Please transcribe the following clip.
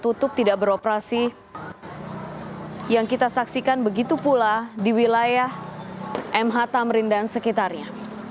tutup tidak beroperasi yang kita saksikan begitu pula di wilayah mh tamrin dan sekitarnya